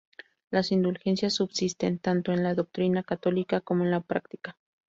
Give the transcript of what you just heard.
Las indulgencias subsisten tanto en la doctrina católica como en la práctica.